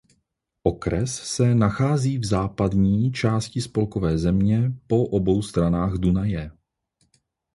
Okres se nachází v západní části spolkové země po obou stranách Dunaje.